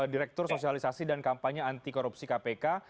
direktur sosialisasi dan kampanye anti korupsi kpk